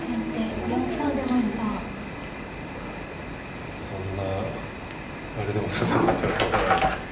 やっぱそんな誰でも指すような手は指さないんです。